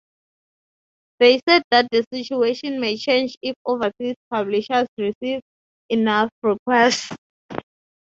They said that the situation may change if overseas publishers received enough requests.